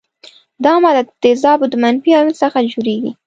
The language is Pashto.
دا ماده د تیزابو د منفي ایون څخه جوړیږي.